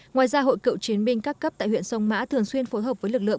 ngoài ra hội cựu chiến binh các cấp tại huyện sông mã thường xuyên phối hợp với lực lượng